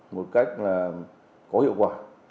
một cách là có hiệu quả